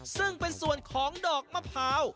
ซึ่งเป็นส่วนของดอกมะพร้าว